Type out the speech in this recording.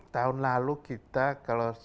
tahun lalu kita kalau